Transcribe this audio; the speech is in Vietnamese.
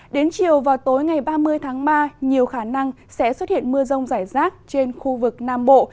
đến chiều và tối ngày ba mươi tháng ba nhiều khả năng sẽ xuất hiện mưa rông rải rác trên khu vực nam bộ